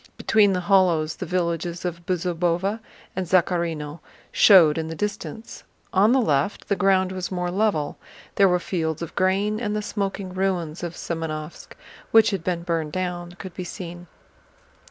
Between the hollows the villages of Bezúbova and Zakhárino showed in the distance. On the left the ground was more level; there were fields of grain, and the smoking ruins of Semënovsk, which had been burned down, could be seen.